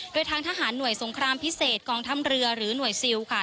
โดยทางทหารหน่วยสงครามพิเศษกองทัพเรือหรือหน่วยซิลค่ะ